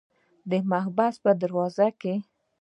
د محبس په دروازو کې.